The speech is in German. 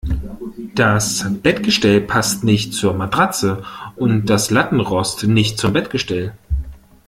Das Bettgestell passt nicht zur Matratze und das Lattenrost nicht zum Bettgestell.